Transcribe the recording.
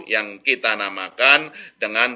yang kita namakan dengan